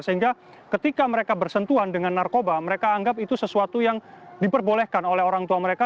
sehingga ketika mereka bersentuhan dengan narkoba mereka anggap itu sesuatu yang diperbolehkan oleh orang tua mereka